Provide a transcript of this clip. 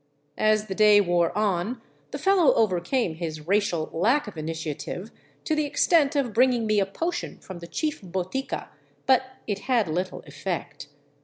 As the day wore on the fellow overcame his racial lack of initiative to the extent of bringing me a potion from the chief botica, but it had little effect.